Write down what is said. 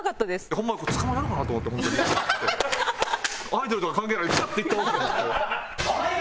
ホンマ捕まえたろかなと思って本当にガッて。アイドルとか関係ないガッていったろうかと思って。